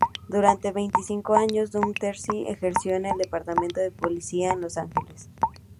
Durante veinticinco años Dougherty ejerció en el Departamento de Policía de Los Ángeles.